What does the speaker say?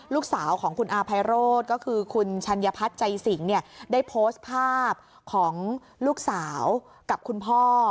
ลูกสาวของคุณอาภัยโรธก็คือคุณชัญพัฒน์ใจสิงได้โพสต์ภาพของลูกสาวกับคุณพ่อ